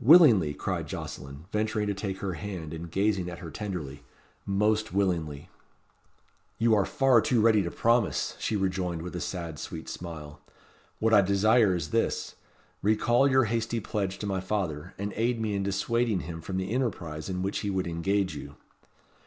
"Willingly,", cried Jocelyn, venturing to take her hand, and gazing at her tenderly. "Most willingly." "You are far too ready to promise," she rejoined with a sad, sweet smile. "What I desire is this. Recall your hasty pledge to my father, and aid me in dissuading him from the enterprise in which he would engage you."